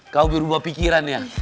kau berubah pikiran ya